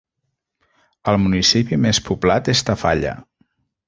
El municipi més poblat és Tafalla.